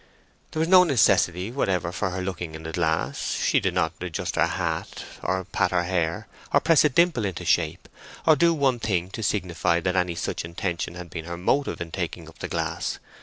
There was no necessity whatever for her looking in the glass. She did not adjust her hat, or pat her hair, or press a dimple into shape, or do one thing to signify that any such intention had been her motive in taking up the glass.